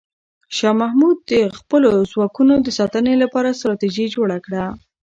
شاه محمود د خپلو ځواکونو د ساتنې لپاره ستراتیژي جوړه کړه.